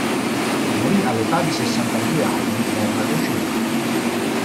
Morì all'età di sessantadue anni per leucemia.